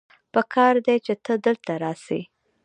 پکار دی چې ته دلته راسې